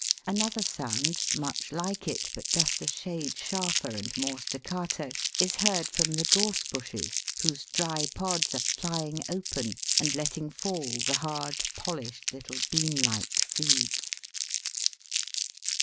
Another sound, much like it but just a shade sharper and more staccato, is heard from the Gorse bushes, whose dry pods are flying open and letting fall the hard, polished, little bean like seeds.